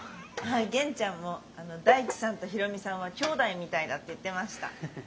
元ちゃんも大地さんと大海さんは兄弟みたいだって言ってました。